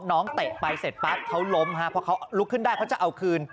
เตะไปเสร็จปั๊บเขาล้มฮะเพราะเขาลุกขึ้นได้เขาจะเอาคืน